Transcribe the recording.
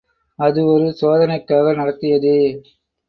அது ஒரு சோதனைக்காக நடத்தியதே.